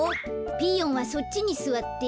ピーヨンはそっちにすわって。